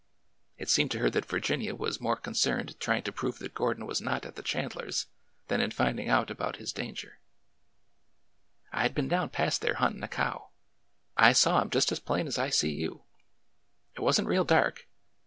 It seemed to her that Virginia was more concerned trying to prove ^'TRIFLES LIGHT AS AIR" 221 that Gordon was not at the Chandlers' than in finding out about his danger. '' I had been down past there huntin' a cow. I saw 'em just as plain as I see you. It was n't real dark.